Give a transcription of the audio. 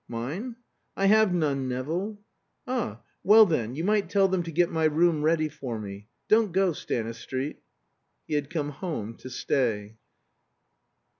"Mine? I have none, Nevill." "Ah well, then, you might tell them to get my room ready for me. Don't go, Stanistreet." He had come home to stay.